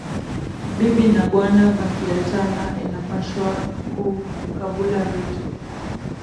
Bibi na bwana ba ki achana inapashua ku kabula vitu